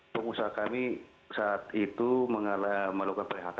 pengusaha kami saat itu melakukan phk